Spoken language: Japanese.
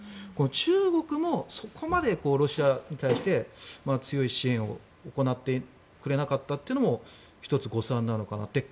中国も、そこまでロシアに対して強い支援を行ってくれなかったというのも１つ、誤算なのかなと。